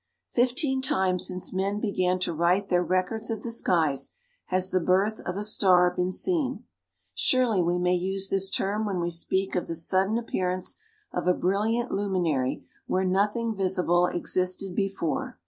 Fifteen times since men began to write their records of the skies has the birth of a star been seen. Surely we may use this term when we speak of the sudden appearance of a brilliant luminary where nothing visible existed before.